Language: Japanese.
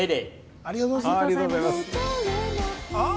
ありがとうございます。